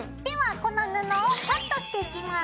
この布をカットしていきます。